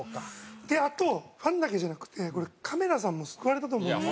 あとファンだけじゃなくてこれカメラさんも救われたと思うんです。